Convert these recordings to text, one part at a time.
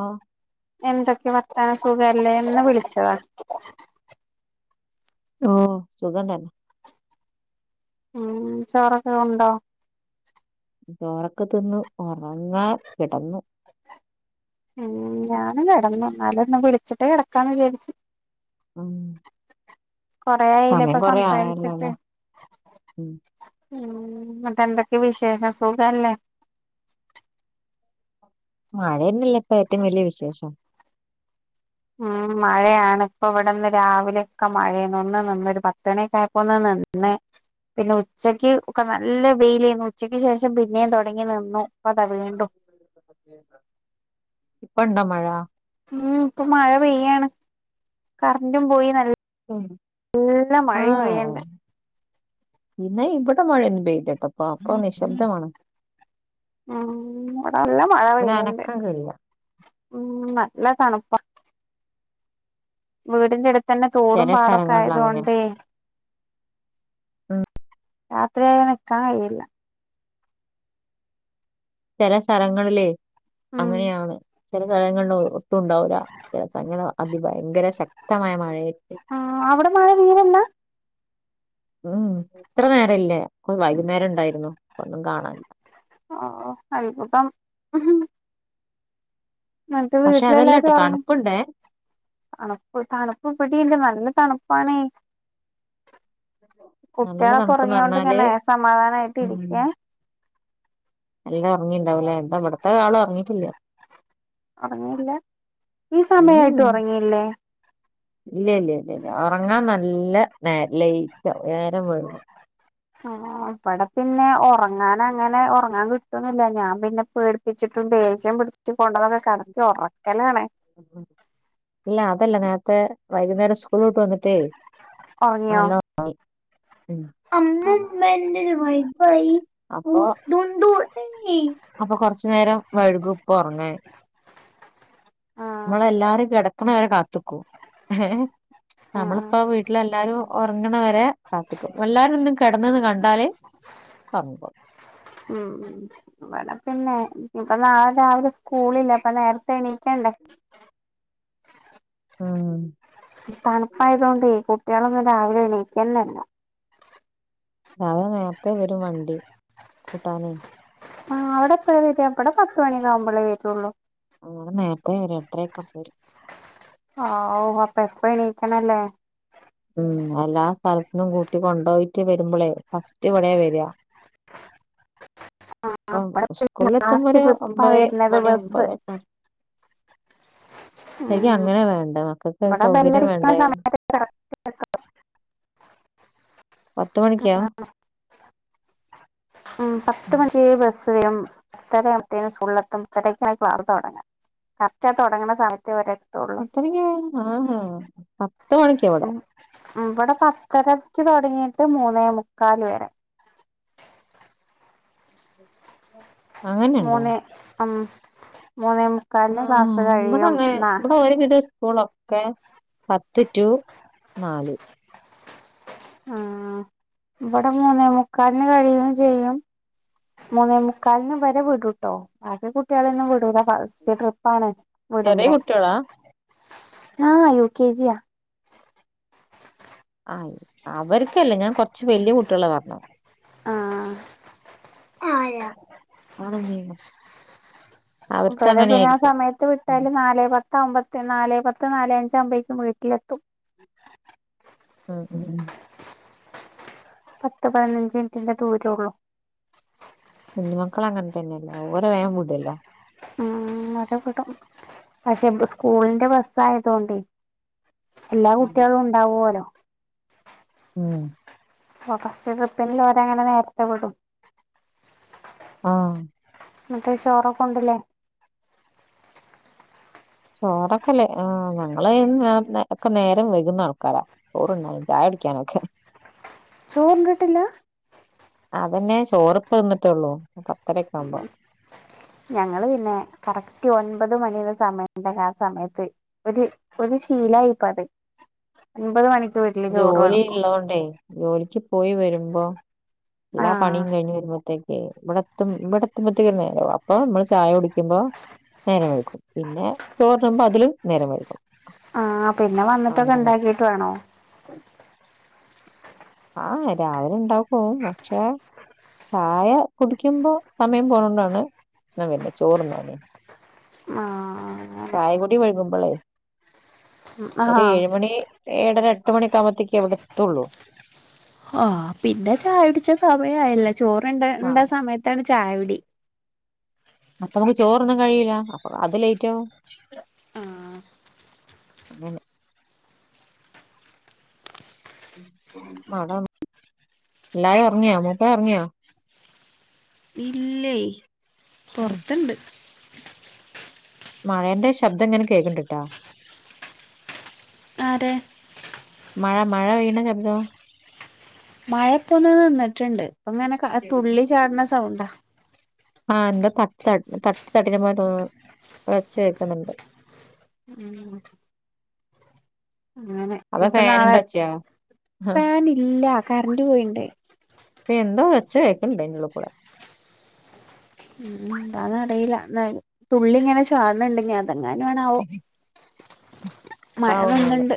ആഹ് എന്തൊക്കെ വർത്താന സുഖല്ലേ ഇന്ന് വിളിച്ചോ ഓസുഖം തന്നെ ഉം ചോറൊക്കെ വെന്തോ ചോറൊക്കെ തിനന്നു ഉറങ്ങാ കിടന്നു ഉം ഞാനും കിടന്നു ന്നാലൊന്ന് വിളിച്ചിട്ടേ കിടക്കാന്ന് വിചാരിച്ചു ആം കൊറെ ആയില്ലേ ഇപ്പൊ സംസാരിച്ചിട്ട് ആയല്ലോല്ലേ ഉം ഉം ഇന്നട്ട് എന്തൊക്കെ വിശേഷം സുഖല്ലേ മഴന്നെല്ലേ ഇപ്പോ ഏറ്റവും വലിയ വിശേഷം ഉം മഴയാണ് ഇപ്പ ഇവിടെം രാവിലെക്കെ മഴെന്ന് ഒന്ന് നിന്ന് ഒരു പത്തണിയൊക്കേ അയപ്പോ നിന്ന് പിന്നെ പിന്നെ ഉച്ചയ്ക്ക് ഒക്കെ നല്ല വെയിലേനു ഉച്ചക്ക് ശേഷം പിന്നെ തുടങ്ങി നിന്നു ഇപ്പ അതാ വീണ്ടും ഇപ്പണ്ടോ മഴ മം ഇപ്പൊ മഴ പെയ്യാണ് കരണ്ടും പോയി നല്ല [unintelligible] എല്ല മഴയും പെയ്യണ്ടേ പിന്നെ ഇവടെ മഴയൊന്നും പെയ്തിലിട്ടോ ഇപ്പോ നിശബ്ദമാണ് ഉം വടെ നല്ല മഴ പെയ്യണ്ട് [unintelligible] വടല്ല ഉം നല്ല തണുപ്പാ. വീടിന്റെ അടുത്ത് തന്നെ തോടും ചില പാടൊക്കെ സ്ഥലങ്ങളിൽ അങ്ങനെയാ ആയതുകൊണ്ടേ ഉം. രാത്രി ആയാൽ നിക്കാൻ കയ്യലില്ല. ചില സ്ഥലങ്ങളിലേ ഉം അങ്ങനെയാണ്. ചില സ്ഥലങ്ങളിലെ ഒട്ടും ഉണ്ടാവൂല്ല ചില സ്ഥലങ്ങളിലെ അതി ഭയങ്കര ശക്തമായ മഴയെ ആഹ് അവിടെ മഴ തീരെയില്ല? ഉം ഇത്ര നേര ഇല്ലേ വൈകുന്നേരം ഉണ്ടായിരുന്നു ഒന്നും കാണാനില്ല. ഓ ആയി [unintelligible] അന്നിട്ട് പക്ഷെ വീട്ടിലെ എല്ലാരും അതല്ലട്ടോ ഒറങ്ങി തണുപ്പുണ്ടേ തണുപ്പ് തണുപ്പ് ഇവിടെണ്ട് നല്ല തണുപ്പാണെ. നല്ല കുട്ടിയാളോക്കെ തണുപ്പ്ന്ന് ഉറങ്ങിയൊണ്ട് പറഞ്ഞാല് ഇങ്ങനെ സമാധാനമായിട്ട് ഇരിക്കെ. എല്ലാം ഇറങ്ങിണ്ടാവില്ലേ എന്താവിടത്തെ ആളും ഒറങ്ങിട്ടില്ല. ഉറങ്ങിയില്ല? ഈ ഉം സമയായിട്ടും ഉറങ്ങിയില്ലേ? ഇല്ല ഇല്ല ഇല്ല ഉറങ്ങാൻ നല്ല നേ ലേറ്റ് ആവും നേരം വെകും. ആഹ് ഇവടെ പിന്നെ ഒറങ്ങാൻ അങ്ങനെ ഒറങ്ങാൻ കി കിട്ടൊന്നില്ല ഞാൻ പിന്നെ പേടിപ്പിച്ചിട്ടും ദേഷ്യം പിടിച്ചട്ട് കൊണ്ടന്നൊക്കെ കടത്തി ഉറക്കലാണേ. ഇല്ല അതല്ല നേരത്തെ വൈകുന്നേരം സ്കൂളോട്ട് വന്നിട്ടേ ഒറങ്ങിയോ നല്ലോ ആഹ് അമ്മുമ്മ എന്റെ വൈഫായി. അപ്പ അപ്പൊ കൊറച്ചുനരം വഴുകുപ്പോ ഉറങ്ങാൻ ആഹ് നമ്മളെല്ലാരും കിടക്കണ വരെ കാത്തിക്കും ഏഹ് ആഹ് നമ്മളിപ്പ വീ ആഹ് ട്ടിൽ എല്ലാരും ഉറങ്ങണ വരെ കാത്തിക്കും എല്ലാരും ഒന്നും കിടന്ന് ന്ന് കണ്ടാല് ഒറങ്ങിക്കോളും. ഉം അവിടെ പിന്നെ ഇപ്പൊ നാളെ രാവിലെ സ്കൂളില്ല അപ്പ നേരത്തെ എണീക്കണ്ടേ? ഉ ആഹ്. തണുപ്പായത് കൊണ്ടേ ഈ കുട്ടികളൊന്നും രാവിലെ എണീക്കന്നില്ല. അതെ നേരത്തെ വരും വണ്ടി കൂട്ടാനെ. ആഹ് അവടെ എപ്പഴാ വര്വ പത്ത് മണിങ്ങാ കുമ്പഴേ വരുള്ളൂ. ഓ നേരത്തെ ഒരു എട്ടരയൊക്കെ പോരും. ആഹ് അപ്പൊ എപ്പ എണീക്കണല്ലേ? ഉം എല്ലാ സ്ഥലത്തന്നും കൂട്ടി കൊണ്ടുപോയിട്ട് വരുമ്പോളേ ഫസ്റ്റ് ഇവിടെയ വരിക. ആഹ് അപ്പം ഇവിടെ എപ്പഴും സ്കൂളിൽ എത്തുമ്പോ ലാസ്റ്റ് ഒരു ട്രിപ്പാ ഒമ്പത് വരുന്നത് ബസ്സ്. ശരിക്കും അങ്ങനെ വേണ്ട മക്കൾക്ക് ഇവിടെ സൗകര്യം ബെല്ലടിക്കുന്ന വേണ്ടേ? സമയത്ത് പത്ത് മണിക്കോ? ഉം പത്ത് മണിക്ക് ബസ്സ്. സ്സ് വെരും പത്തര ആവുമ്പോതെയനും സുള്ളത്തും ഇത്രരക്കാണക്ക പാറത്ത തുടങ്ങ. കരറ്റാ തുടങ്ങണ സമയത്ത് ഇവരെത്ത് പത്തരയ്ക്ക് ആഹ് പത്ത് മണിക്ക് ഇവടെ. ഇവടെ പത്തരക്ക് തുടങ്ങിയിട്ട് മൂന്നേ മുക്കാൽ വരെ. ആഹ മൂന്നേ ആഹ് മൂന്നേ മു ആഹ് ഇവിടെങ്ങനെ ഇവിടെ ഒരു വിധ സ്കൂളോ ക്കെ പത്ത് ടു നാല്. ആഹ് ഇവിടെ മൂന്നേ മുക്കാലിന് കഴിയും ചെയ്യും മൂന്നേ മുക്കാലിന് ഇവരെ വിടൂട്ടോ ഭാക്കി കുട്ടികളൊന്നും വിടൂല ഫസ്റ്റ് ട്രിപ്പാണ്. ചെറിയ വിടുമ്പോ കുട്ടികളാ ആഹ് യു കെ ജിയാ. ആ അവർക്കല്ലേ ഞാൻ കുറച്ച് വല്യ കുട്ടികളെ പറഞ്ഞ. ആഹ് ആയ ആണെന്നെ. [unintelligible] പിന്നെ ആ ആയിരിക്കും സമയത്ത് ഉം വിട്ടാല് നാലെ പത്ത് അത്താമ്പത്ത് നാലേ പത്ത് നാലെ അഞ്ചാകുമ്പേയ്ക്കും വീട്ടിലെത്തും ഉം ഉം ഉം പത്ത് പയ്നഞ്ച് മിൻറ്റിന്റെ ദൂരെ ഒള്ളു കുഞ്ഞു മക്കളെ അങ്ങൻ തന്നേണ്. ഓരെ വേം വിടൊല്ലോ ഉം [unintelligible] പക്ഷെ സ്കൂളിന്റെ ബസ്സ് ആയതോണ്ടെ എല്ലാ കുട്ട്യേളും ഉണ്ടാവോലോ ഉം അപ്പോ ഫസ്റ്റ് ട്രിപ്പിൽ ഓരങ്ങനെ നേരത്തെ വിടും ഉം ഇന്നട്ട് ചോറൊക്കെ ഉണ്ട് ല്ലേ ചോറൊക്കെല്ലേ ആഹ് ഞങ്ങള് അയിന് നേർ ഒക്കെ നേരം വൈക്ന്ന ആൾക്കാരാ ചോറ് ഉണ്ണാനും ചായ കുടിക്ക്യാനൊക്കെ ചോറ് ഉണ്ട്ട്ടില്ല അതെന്നെ. ചോറ് ഇപ്പ തിന്ന്ട്ടൊള്ളൂ പത്തരൊക്കെ ആവുമ്പോ ഞങ്ങള് പിന്നെ കറക്റ്റ് ഒൻപത് മണി ഇള്ള സമയം ഉണ്ടങ്കി ആ സമയത്ത് ഒരു ഒരു ശീലായിപ്പത് ഒൻപത് മണിക്ക് വെ ജോലി ഇള്ളോണ്ടേ ജോലിക്ക് പോയി വരുമ്പോ എല്ലാ ആഹ് പണിയും കഴിഞ് വരുമ്പോത്തേ ഇവിടെത്തും. ഇവിടെ എത്തുമ്പത്തേക്കന്നെ നേരാവും അപ്പൊ നമ്മള് ചായ കുടിക്ക്യുമ്പ നേരം വഴ്കും. പിന്നെ ചോറ് തിന്നുമ്പ അതിലും നേരം വഴ്കും ആഹ് പിന്നെ വന്നിട്ടൊക്കെ ഇണ്ടാക്കീട്ട് വേണോ? ആഹ് രാവിലെ ഇണ്ടാക്കും പക്ഷെ ചായ കുടിക്കുമ്പോ സമയം പോണോണ്ടാണ് പ്രശ്നം വര്ന്. ചോറുണ്ണാന് ആഹ് ചായ കുടി വഴുകുമ്പളേ ഒരു ആഹ് ഏഴുമണി ഏഴര എട്ട് മണിഒക്കെ ആകുമ്പത്തേക്ക് അവിടെ എത്തൊള്ളൂ ആഹ് പിന്നെ ചായ കുടിച്ചാൻ സമയായല്ല. ചോറ് ഇണ്ട് ആഹ് ഇണ്ട്സമയത്താണ് ചായുടി അപ്പ നമുക്ക് ചോറൊന്നും കഴിയൂല. അപ്പൊ അത് ലേയ്റ്റ് ആവും. ആഹ് അങ്ങനെ മാട എല്ലാരും ഒറ്ങ്യെ മൂപ്പര് ഒറ്ങ്ങ്യാെ ഇല്ലെയ് ഉം പൊറ്ത്ത്ണ്ട് മഴേന്റെ ശബ്ദം ഇങ്ങനെ കേക്ക്‌ണ്ട്ട്ടാ ആരെ മഴ മഴ പെയ്യ്ണ ശബ്ദം മഴ ഇപ്പൊന്ന് നിന്നിട്ട്ണ്ട്. ഇപ്പ ഇങ്ങനെ തുള്ളി ചാട്ണ സൗണ്ടാ ആഹ് എന്താ തട്ട തട് തട്ടി തടീന മാതിരി തോന്ന്ണു. ഒച്ച കേക്കുന്നുണ്ട് ഉം അങ്ങനെ അതോ ഇനിപ്പ നാളെ ഫാനിന്റെ ഒച്ചയാ ഫാന് ഇല്ല കര്ന്റ് പോയിണ്ടേ പ്പെന്തോ ഒച്ച കേക്ക്ണ്ട് അയിന്റെ ഉള്ളി കൂടെ ഉം എന്താന്നറീല്ല. ന്നായി തുള്ളി ഇങ്ങനെ ചാട്ണെങ്കി. അതെങ്ങാനാണാവോ മഴ അതാവുന്നാല് വന്ന്ണ്ട്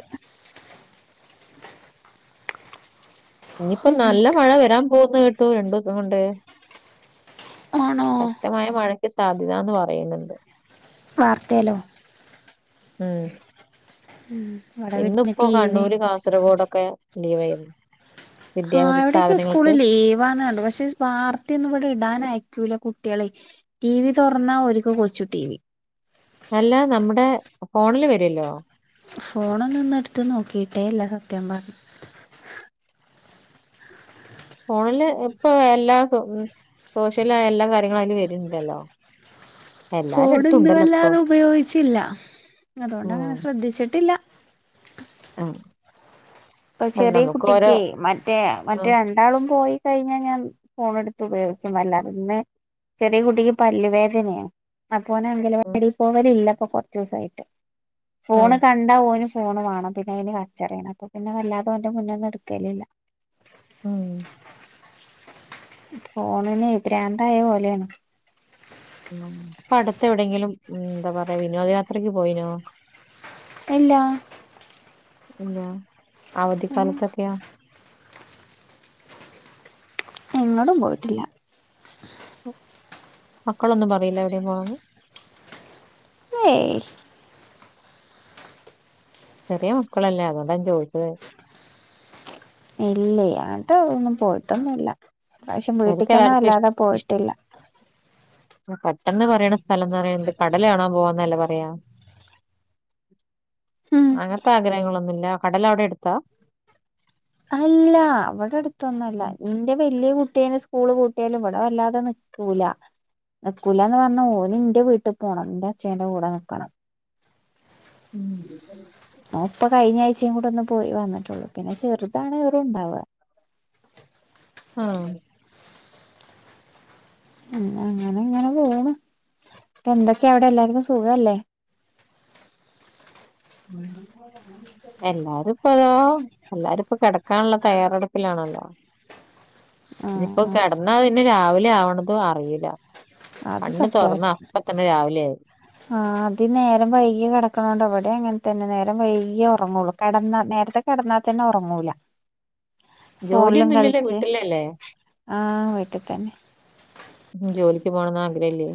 ഇഞ്ഞിപ്പം നല്ല മഴ വരാൻ പോക്ന്ന് കേട്ടു. രണ്ടുസം കൊണ്ട് ആണോ ശക്തമായ മഴയ്ക്ക് സാധ്യതാ ന്ന് പറയന്നുണ്ട് വാർത്തേല്ലോ ഉം ഉം വാ ഇന്ന് ഇപ്പോ കണ്ണൂര് കാസർഗോഡൊക്കെ ലീവായിന്നു ആഹ് എവിടേക്ക്യോ സ്കൂള് ലീവാന്ന് കണ്ടു പക്ഷെ വാർത്തെ ഒന്നും ഇവടെ ഇടാനയക്കൂല കുട്ട്യേളെ ടി വി തൊറ്ന്നാ ഓല്ക്ക്‌ കൊച്ചു ടി വി അല്ല നമ്മുടെ ഫോണില് വരൊല്ലോ ഫോണൊന്നും ഇന്ന് എടുത്ത് നോക്കിയിട്ടേല്ല സത്യം പറഞ് ഫോണില് ഇപ്പൊ എല്ലാ സോഷ്യൽ എല്ലാ കാര്യങ്ങളും അയില് വര്ണിണ്ടല്ലോ ഫോൺ ഇന്നു ഇപ്പൊ വല്ലാതെ ഉപയോഗിച്ചില്ല അതുകൊണ്ട്ങ്ങനെ ശ്രദ്ധിച്ചിട്ടില്ല. ആഹ് ഇപ്പൊ ചെറിയ കുട്ടിക്ക് മറ്റേ മറ്റേ ഉം ര രണ്ടാളും പോയി കഴിഞ്ഞാൽ ഞാൻ ഫോണെടുത്ത് ഉപയോഗിച്ചും അല്ലാതെ പിന്നെ ചെറിയ കുട്ടിക്ക് പല്ലുവേദനയാണ് അപ്പോന ഉം അങ്കനവാടി പോവല ഇല്ല കൊറച്ചു ദിവസായിട്ട് ഉം ഫോണ് കണ്ടാവോന് ഫോണ് വേണം പിന്നെ അതിന് കരച്ചിലാണ് അപ്പൊ പിന്നെ വല്ലാതും അവന്റെ മുന്നേ ഒന്നും എടുക്കലില്ല ഉം ഫോണിന്നെ പ്രാന്തായ പോലെയാണ് ഉം ഇപ്പ അടുത്ത് എവിടെയെങ്കിലും ഉം എന്താ പറയാ വിനോദയാത്രക്ക് പോയിനോ ഇല്ല ഇല്ല ഉം അവധിക്കാലത്തൊക്കെയോ എങ്ങടും പോയിട്ടില്ല മക്കളൊന്നും പറയില്ല എവിടെയും പോണെന്ന് ഏയ് ചെറിയ മക്കളല്ലേ അതുകൊണ്ട ഞാൻ ചോദിച്ചത് ഇല്ലേ അതൊന്നും പോയിട്ടൊന്നില്ല ഇപ്രാവിശ്യം അവർക്ക് വീട്ടിക്കന്നെ എല്ലാവർക്കും ഇഷ് വല്ലാതെ ഇഷ് പോയിട്ടില്ല പെട്ടെന്ന് പറയണ സ്ഥലം എന്ന് പറയുന്നത് കടല് കാണാൻ പോവാന്നല്ലെ പറയാ ഉം അങ്ങനത്തെ ആഗ്രഹങ്ങളൊന്നുമില്ല കടൽ അവിടെ എടുത്താ അല്ല ഇവിടെ അടുത്തൊന്നല്ല ഇന്റെ വലിയ കുട്ടി കുട്ടികള് സ്കൂള് പൂട്ടിയാലും ഇവിടം വല്ലാതെ നിക്കൂല നിക്കുല എന്ന് പറഞ്ഞ ഓന് എന്റെ വീട്ടിൽ പോകണം എന്റെ അച്ഛന്റെ കൂടെ നിൽക്കണം ഉം ഇപ്പ കഴിഞ്ഞാഴ്ച കൂടെ ഒന്ന് പോയി വന്നിട്ടുള്ളൂ പിന്നെ ചെറുതാണ് ഇവിടെ ഉണ്ടാവുക അഹ് ഉം അങ്ങനെ ഇങ്ങനെ പോണ് ഇപ്പ എന്തൊക്കെയ അവിടെ എല്ലാർക്കും സുഖല്ലേ ആഹ് [unintelligible] എല്ലാരും ഇപ്പ അതാ എല്ലാരും ഇപ്പോ കിടക്കാനുള്ള തയ്യാറെടുപ്പിലാണല്ലോ ആ ഇയിപ്പോ കിടന്നാ പിന്നെ രാവിലെ ആവണത് അറിയില്ല അത് കണ്ണ് തുറന്ന അപ്പ തന്നെ രാവിലെ ആയി ആഹ് അത് നേരം വൈകിയ കിടക്കണോണ്ട അവിടെ അങ്ങനെ തന്നെ നേരം വൈകിയേ ഉറങ്ങുള്ളൂ കെടന്ന നേരത്തെ കിടന്നാ തന്നെ ഉറങ്ങൂല ജോലിയൊന്നും ഇല്ലല്ലേ വീട്ടിലല്ലേ ആഹ് വീട്ടി തന്നെ ഉം ജോലിക്ക് പോണന്ന് ആഗ്രഹ ഇല്ലേ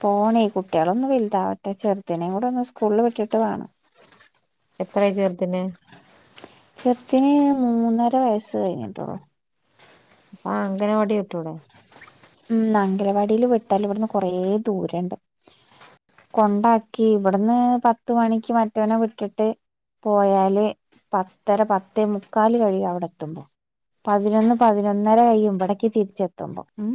പോണേ കുട്ടികളൊന്നു വലുതാവട്ടെ ചെറുതനേയും കൂടെ ഒന്ന് സ്കൂളിൽ വിട്ടിട്ട് വേണം എത്രേയി ചെറുതിന് ചെറുത്തിന് മൂന്നര വയസ്സ് കഴിഞ്ഞിട്ടൊള്ളു അപ്പൊ അംഗനവാടി വിട്ടൂടെ ഉം അംഗനവാടിൽ വിട്ടാൽ ഇവിടുന്ന് കൊറേ ദൂരുണ്ട് കൊണ്ടാക്കി ഇവിടുന്ന് പത്ത് മണിക്ക് മറ്റവനെ വിട്ടിട്ട് പോയാല് പത്തര പത്തേമുക്കാല് കഴിയും അവിടെ എത്തുമ്പോ പതിനൊന്ന് പതിനൊന്നര കഴിയും ഇവിടേക്ക് തിരിച്ചെത്തുമ്പോ ഉം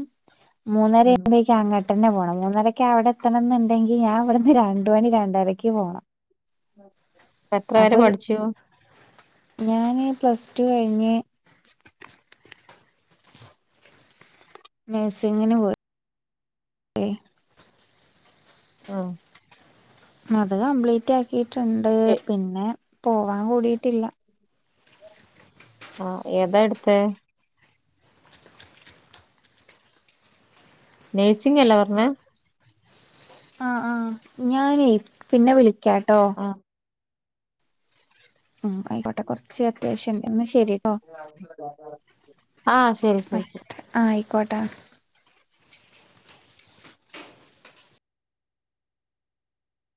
മൂന്നരാമ്പക്കും ഇക്ക് അങ്ങോട്ട് തന്നെ പോകണം മൂന്നരക്ക അവിടെ എത്തണം എന്നുണ്ടെങ്കിൽ ഞാൻ അവിടുന്ന് രണ്ടു മണി രണ്ടരക്ക് പോകണം എത്ര വരെ പഠിച്ചു ഞാന് പ്ലസ് ടു കഴിഞ്ഞ് നഴ്സിങ്ങിന് പോയി ഏ ആഹ് അത് കംപ്ലീറ്റ് ആക്കിട്ടുണ്ട് എ പിന്നെ പോവാൻ കൂടിയിട്ടില്ല ആഹ് ഏതാ എടുത്തേ? നേഴ്സിംഗ് അല്ലെ പറഞ്ഞ് ആഹ് ആഹ് ഞാനേ പിന്നെ വിളിക്കാട്ടോ. ആഹ് ഉം ആയിക്കോട്ടെ കൊറച്ച് അത്യാവശ്യം ഉണ്ട് ഇന്നാ ശരിട്ടോ. ആഹ് ശരി ശരി ശരി ആഹ് ആയിക്കോട്ടെ-